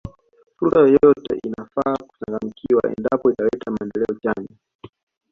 Fursa yoyote ile inafaa kuchangamkiwa endapo italeta maendeleo chanya